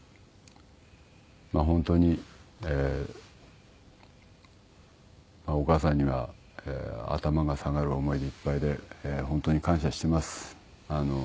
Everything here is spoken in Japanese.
まあ本当にお母さんには頭が下がる思いでいっぱいで本当に感謝してます。